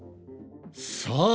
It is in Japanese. さあ